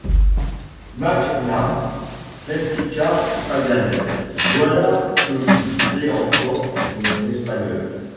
Mac Nabbs, répliqua Paganel, voilà que vous doutez encore de mon espagnol!